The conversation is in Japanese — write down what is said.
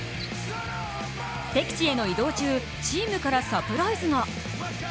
敵地への移動中、チームからサプライズが。